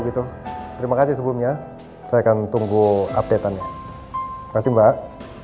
terima kasih mbak